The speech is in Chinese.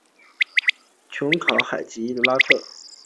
琼考海吉哈特。